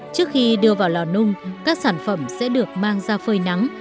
trước khi đưa vào lò nung các sản phẩm sẽ được mang ra phơi nắng